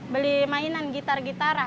beli mainan gitar gitaran